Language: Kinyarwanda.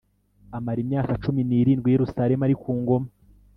amara imyaka cumi n’irindwi i Yerusalemu ari ku ngoma